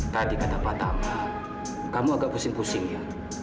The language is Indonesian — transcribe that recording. tadi kata pak tama kamu agak pusing pusing ya